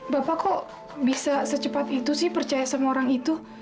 bapak kok bisa secepat itu sih percaya sama orang itu